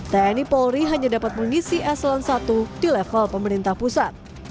tni polri hanya dapat mengisi eselon i di level pemerintah pusat